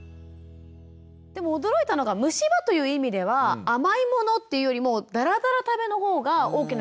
でも驚いたのが虫歯という意味では甘いものっていうよりもだらだら食べの方が大きな原因になるんですね。